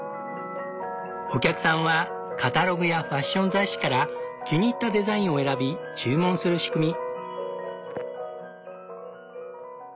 お客さんはカタログやファッション雑誌から気に入ったデザインを選び注文する仕組み。